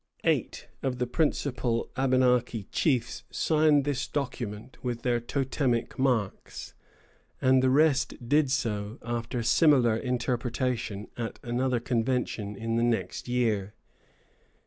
Eight of the principal Abenaki chiefs signed this document with their totemic marks, and the rest did so, after similar interpretation, at another convention in the next year.